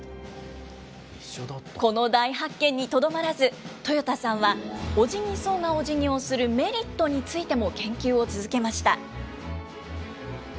この大発見にとどまらず、豊田さんはオジギソウがおじぎをするメリットについても、研究を続けました。